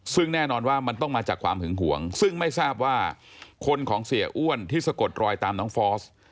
ซึ่งแน่นอนว่ามันต้องมาจากความหึงห่วงซึ่งไม่ทราบว่าคนของเสียอ้วนที่สะกดรอยตามน้องฟอส